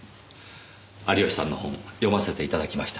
有吉さんの本読ませていただきました。